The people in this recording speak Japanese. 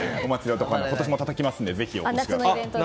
今年もたたきますのでぜひお越しください。